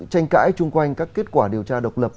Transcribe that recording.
tranh cãi chung quanh các kết quả điều tra độc lập